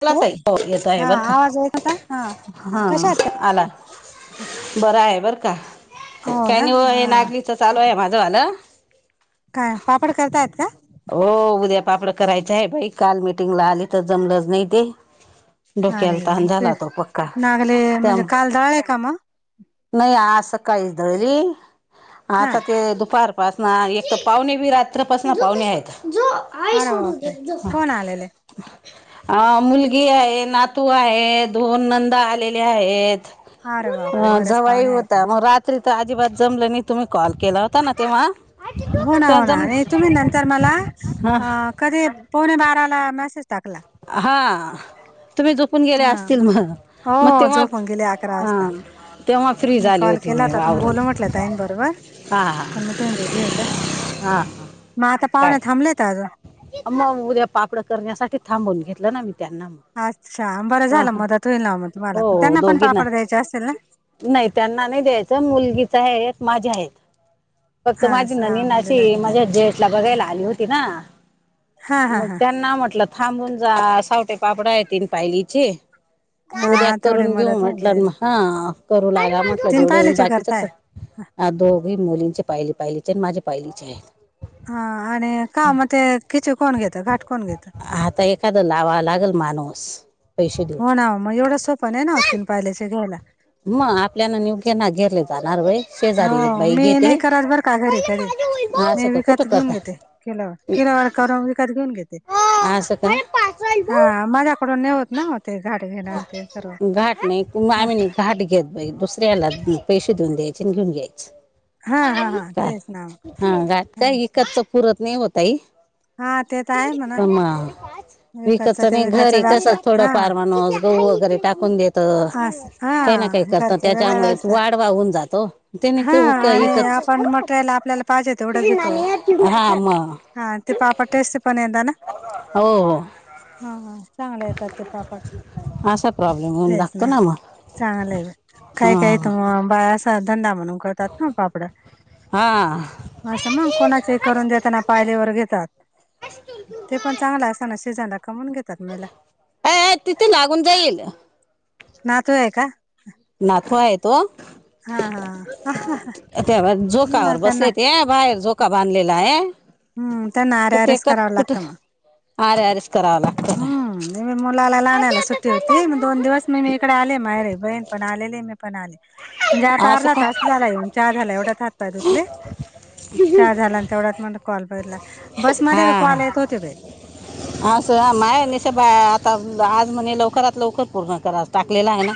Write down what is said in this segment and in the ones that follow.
बोला हॅलो ताई हो येत आहे हा बर का आवाज येत होता हा हा कशा आहात ताई? आला. बरं आहे बरं का काही ना नाही हो हा हे नागलीच चालू आहे माझ वाल. काय पापड करतायेत का? हो उद्या पापड करायचं आहे भाई काल मीटिंगला आली तर जमलंच नाही ते. डोक्याला अरे तान ते झाला तो पक्का नागले त्या म्हणजे काल दळले का मग नाही आज सकाळीच दळली हा आता ते दुपार पासना एक तर पाहुणे बी रात्रपासन आहेत. आई अरे सोडून बापरे गेली झोका. कोण आलेले अ मुलगी आहे, नातू आहेत, दोन नंदा आलेले आहेत. अरे बापरे ह बरेच जवाई पाहुणे आहेत ना होता मं रात तरी तं अजिबात जमलं नही, तुम्ही कॉल केला होता ना तेव्हा. हो ना, तेव्हा हो ना जम आणि तुम्ही नंतर मला हा अ कधी पोवणे बाराला मेसेज टाकला. हा तुमी दु पूण गेल्या हा असतील म म्हटलं मग हो तेव्हाच झोपून गेले अकरा हा! वाजता तेव्हा फ्री मी झाली कॉल होती केला मी होता तुम्ही बोलू वावरात म्हटलं ताईं बरोबर हा हा! पण हा! म आता पाहुणे थांबलेत आज. अ मग उद्या पापडं करण्यासाठी थांबून घेतलं ना मी त्यांना मग. अच्छा बरं हां झालं हां मदत होईल नांव मं तुम्हाला, त्यांना पन पापड द्यायचे असल ना! नही त्यांना नाही दयायचं, मुलगीच आहे एक, माझे आहे. फक्त हा माझी सहा ननींन मुलीला अशी, तर द्या माझ्या जेटला बघायला आली होती ना! हा हा मग हा त्यांना म्हटलं थांबून जा, सावटे पापड आहे तीन पायलीचे. उद्या हा तेवढी करून घेऊ मदत होऊन म्हटलं न जाईल मं हा करू लागा म्हटलं तीन जेवढे होईल पायलीचे बाकीच करताय क अ दोघी मुलींचे पायली पायलीचे, आणि माझे पायलीचे आहे. हा आणि का मग ते खिची कोण घेत, घाट कोण घेत. आता एखादं लावा लागल माणूस पैसे हो देऊन ना ओ मं एवढं सोप नाही नां ओ तीन पायंलीचे घ्यायला. म आपल्यानां निवक्याना घेरले जाणार बई. हो मी नही करत बरं का घरी कधी, मी असं का कुठं विकत घेऊन करता घेते. किलोवर किलो वर करून विकत घेऊन घेते, असं का हा माझ्याकडून नहीं होत ना! ते घाट! घेणं ते सर्व घाट नाही, आम्ही असं नाही घाट घेत बाई दुस ऱ्याला पैसे देऊन द्यायचे न घेऊन घ्यायच. हा हा हा का तेच ना ह घाट काय ईकतच पुरत नही ओ ताई! हा ते त आहे म्हणा! हा विकाचा विकतच ते नही विकाचा घरी कस असा थोडं हा फार माणस गहू वगैरे टाकून देत, अस हा काही ना काही करतं घरच वेगळाच त्याच्यामुळे असतं वाढवा हून जातो हो! तेने हा कायं उका आणि इकत आपण मटेरियल आपल्याला पाहिजे तेवढं घेतो कत हा म! हा ते पापडं टेस्टी पण येता ना! हो हो! हा हा चांगले येतात ते पापड. असा प्रॉब्लेम होऊन तेच लागतो ना मग चांगलं यं मं काही हा काही त म बायां धंदा म्हणून करतात ना पापडं. हा अस मग कोणाचे ही करून देतात पायलेवर घेतात ते पण चांगलं असताना सिजन. कमून घेतात महीला. ये ये तिथे लागून जाईल. नातू आहे का? नातू आहे तो! हा हा त्या बा झोका मला वर त्यांना बसले ते, बाहेर झो का बांधलेला आहे. हू त्याना आरे तर ते आरेच कट करावं कुठ लागतं मग. आरे आरेच करावं लागतं ना हं नहीं बयी मुलाला लाहाण्याला सुट्टी होती, मग दोन दिवस मीनी इकडे आले माहेरी बहीण पण आलेली म्या पण आले, म्हणजे आता असं अर्धा का तास झाला येऊन, चहा झाला ऐवढ्यात हात- पाय धुतले. चहा झाला अन तेवढ्यात म्हणलं कॉल बघितला, बस मध्ये हा बी हा. कॉल येत होते बाई. असं अ माय निसते भ आता आज म्हणे लवकरात लवकर पूर्ण करा टाकलेला आहे ना.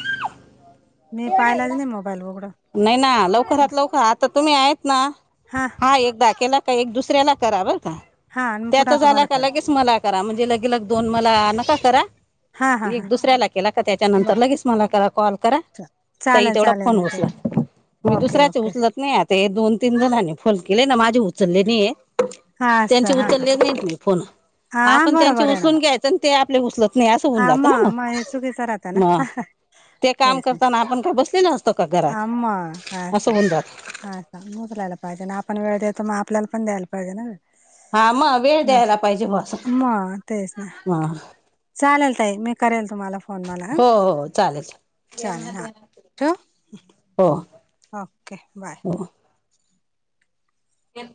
मी पायलाच नाही मोबाईल एवढं. नाही ना, लवकरात लवकर आता तुम्ही आहेत ना हा, एकदा केला का एक दुसऱ्याना करा बर का. हा आणि त्याचा पुन्हा झाला तुम्हाला का कर लगेच मला करा, म्हणजे लगे-लग दोन मला नका करा. हा हा हा एक दुसऱ्याला केला का त्याच्यानंतर बर लगेच मला करा कॉल करा, चल ताई चालेल तेवढा चालेल फोन मिटून उचला. मी ओके दुसराचे ओके उचलत नाही आता, ये दोन- तीन जणांनी फोन केले ना माझे उचले नाहीये. हा असं त्यांचे हा हा उचलेच नहित मी फोन, हा आपण त्यांचे बरोबर आहे ना उचलून घ्यायचं, अन ते आपले उचलत नाय असं होऊन जातं आम्हा ना मग, आम्हा हे चुकीचं राहतं ना मग ते काम करता-ना आपण का बसलेलं अस हा मं. हा का? [unintelligible] पाहिजे अन आपण वेळ देतो मग आपल्याला पण द्यायला पाहिजे ना वेळ. हा मग वेळ द्यायला पाहिजे ब असं [inaudible] मं तेच ना. हा चालेल ताई मी करेल तुम्हाला. फोन मला हं. हो- हो, चालेल चा चालेल हा ठेवू हो. Okay bye. हो